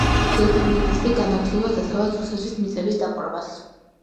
გედიმინასი განაგრძობდა დასავლეთ რუსეთის მიწების დაპყრობას.